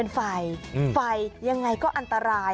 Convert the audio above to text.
ไฟยังไงก็อันตราย